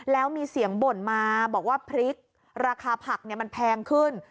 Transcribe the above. แล้วมีเสียงบ่นมาบอกว่าพริกราคาผักมันแพงขึ้น